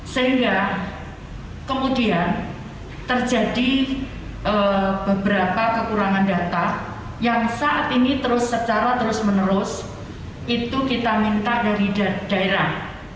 sehingga kemudian terjadi beberapa kekurangan data yang saat ini terus secara terus menerus itu kita minta dari daerah